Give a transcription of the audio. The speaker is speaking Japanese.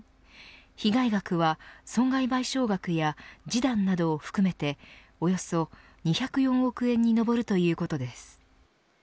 被害額は損害賠償額や示談などを含めておよそ２０４億円に上るということです。